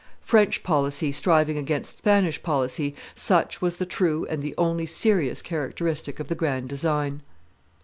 French policy striving against Spanish policy, such was the true and the only serious characteristic of the grand design.